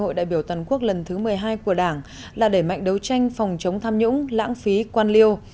hội đại biểu toàn quốc lần thứ một mươi hai của đảng là đẩy mạnh đấu tranh phòng chống tham nhũng lãng phí quan liêu